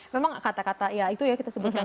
memang kata kata ya itu ya kita sebutkan